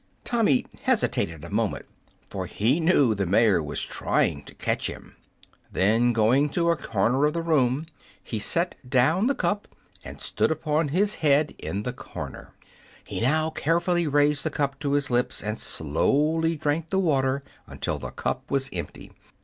Tommy hesitated a moment, for he knew the mayor was trying to catch him; then, going to a corner of the room, he set down the cup and stood upon his head in the corner. He now carefully raised the cup to his lips and slowly drank the water until the cup was empty.